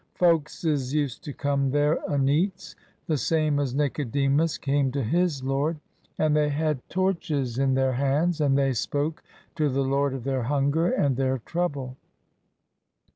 Folkses used to come there o' neets — the same as Nicodemus came to his Lord ; and they had torches in their hands ; and they spoke to the Lord of their hunger and their trouble.